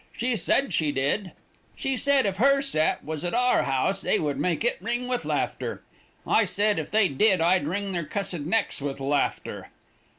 She said she did. She said if her set was at our house they would make it ring with laughter. I said if they did I'd wring their cussed necks with laughter.